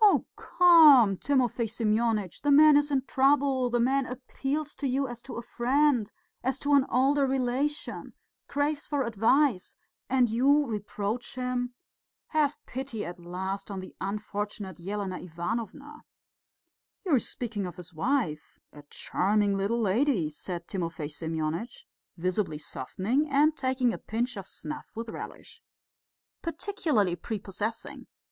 "Oh, come, Timofey Semyonitch! The man is in trouble, the man appeals to you as to a friend, as to an older relation, craves for advice and you reproach him. Have pity at least on the unfortunate Elena Ivanovna!" "You are speaking of his wife? A charming little lady," said Timofey Semyonitch, visibly softening and taking a pinch of snuff with relish. "Particularly prepossessing.